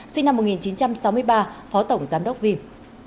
sinh năm một nghìn chín trăm sáu mươi ba phó tổng giám đốc vim